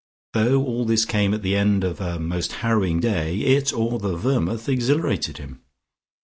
Though all this came at the end of a most harrowing day, it or the vermouth exhilarated him.